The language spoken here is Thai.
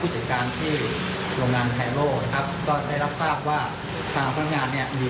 ชุด๑ตอนนี้ไปสอบปากคำผู้จัดการที่โรงงานไทแอโร่